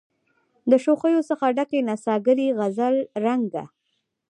د شوخیو څخه ډکي نڅاګرې غزل رنګه